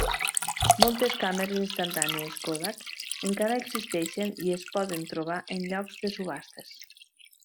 Moltes càmeres instantànies Kodak encara existeixen i es poden trobar en llocs de subhastes.